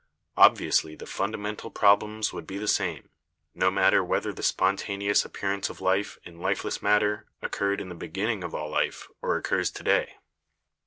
Obviously the fundamental problems would be the same, no matter whether the spontaneous appearance of life in lifeless mat ter occurred in the beginning of all life or occurs to day.